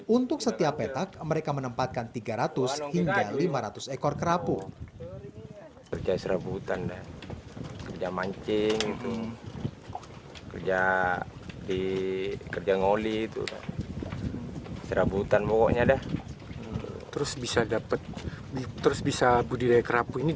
untuk setiap petak mereka menempatkan tiga ratus hingga lima ratus ekor kerabu